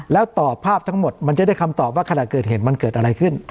แล้วต่อภาพทั้งหมดมันจะได้คำตอบว่าขณะเกิดเหตุมันเกิดอะไรขึ้น